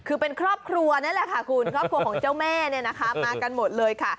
คือเป็นครอบครัวนั่นแหละค่ะคุณครอบครัวของเจ้าแม่เนี่ยนะคะมากันหมดเลยค่ะ